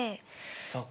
そっか。